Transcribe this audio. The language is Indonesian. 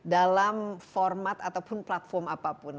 dalam format ataupun platform apapun